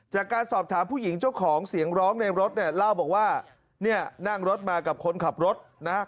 จากการสอบถามผู้หญิงเจ้าของเสียงร้องในรถเนี่ยเล่าบอกว่าเนี่ยนั่งรถมากับคนขับรถนะฮะ